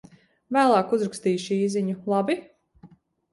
Vēlāk uzrakstīšu īsziņu, labi?